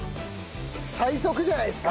最速じゃないですか？